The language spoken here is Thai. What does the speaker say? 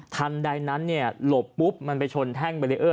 ทันใดนั้นหลบปุ๊บมันไปชนแท่งเบรีเออร์